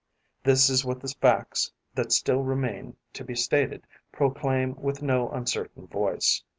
This is what the facts that still remain to be stated proclaim with no uncertain voice.